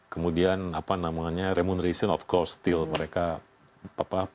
kemudian apa namanya remunerasi of course still mereka apa